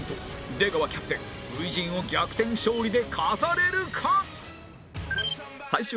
出川キャプテン初陣を逆転勝利で飾れるか？